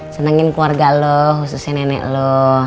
senengin keluarga lo khususnya nenek lo